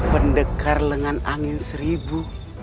pendekar lengan angin seribu